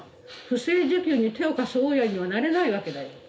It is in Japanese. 不正受給に手を貸す大家にはなれないわけだよ。